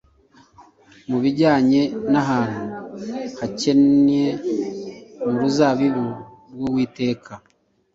mu bijyanye n’ahantu hakennye mu ruzabibu rw’Uwiteka,